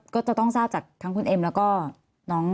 ก็จะต้องทราบจากคุณเอ็มแล้วก็